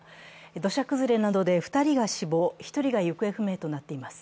土砂崩れなどで２人が死亡、１人が行方不明となっています。